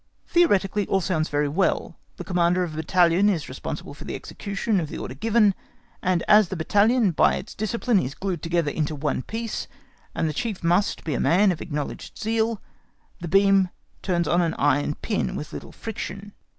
Theoretically all sounds very well: the commander of a battalion is responsible for the execution of the order given; and as the battalion by its discipline is glued together into one piece, and the chief must be a man of acknowledged zeal, the beam turns on an iron pin with little friction.